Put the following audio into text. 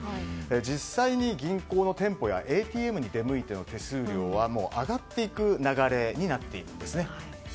実際に銀行の店舗やＡＴＭに出向いての手数料は上がっていく流れになっているんですね。